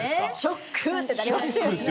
ショックってなりますよね。